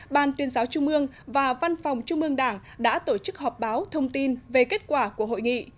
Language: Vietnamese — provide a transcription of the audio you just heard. ban tuyên giáo trung ương và văn phòng trung ương đảng đã tổ chức họp báo thông tin về kết quả của hội nghị